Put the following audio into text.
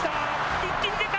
一気に出た。